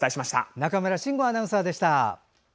中村慎吾アナウンサーでした。